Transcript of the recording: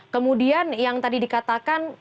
kemudian yang tadi dikatakan